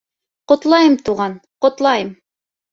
Ҡотлайым, туған, ҡотлайым!